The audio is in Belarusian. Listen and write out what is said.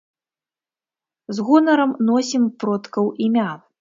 З гонарам носім продкаў імя.